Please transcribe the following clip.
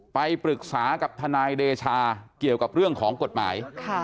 ไปปรึกษากับทนายเดชาเกี่ยวกับเรื่องของกฎหมาย